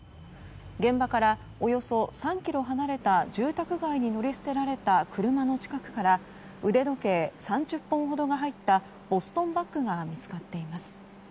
現場からおよそ３ｋｍ離れた住宅街に乗り捨てられた車の近くから腕時計３０本ほどが入ったボストンバッグが見つかっています。